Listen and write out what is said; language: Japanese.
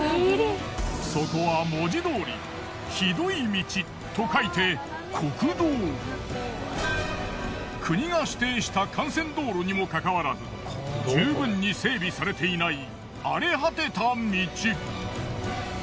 そこは文字どおり酷い道と書いて国が指定した幹線道路にもかかわらず十分に整備されていない荒れ果てた道。